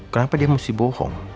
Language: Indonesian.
kenapa dia mesti bohong